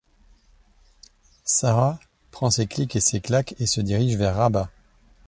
Sarraj prend ses cliques et ses claques et se dirige vers Rabat.